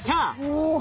お。